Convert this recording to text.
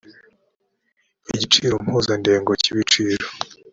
igiciro mpuzandengo cy ibiciro